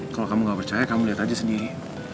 kalau kamu gak percaya kamu lihat aja sendiri